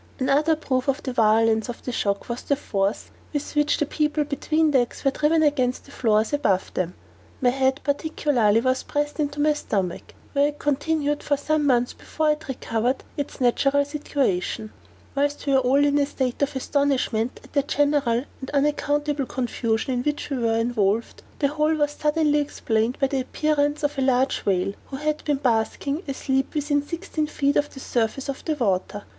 Another proof of the violence of the shock was the force with which the people between decks were driven against the floors above them; my head particularly was pressed into my stomach, where it continued some months before it recovered its natural situation. Whilst we were all in a state of astonishment at the general and unaccountable confusion in which we were involved, the whole was suddenly explained by the appearance of a large whale, who had been basking, asleep, within sixteen feet of the surface of the water.